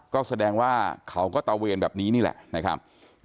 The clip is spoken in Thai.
ก็แสดงว่าเขาก็ตะเวนแบบนี้นี่แหละนะครับ